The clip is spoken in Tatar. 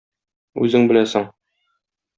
Үзең беләсең.